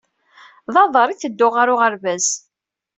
D aḍar i tedduɣ ɣer uɣerbaz